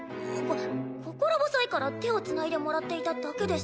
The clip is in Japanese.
こ心細いから手をつないでもらっていただけです。